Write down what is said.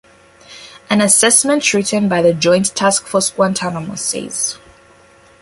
An assessment written by the Joint Task Force Guantanamo says.